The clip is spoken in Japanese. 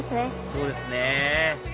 そうですね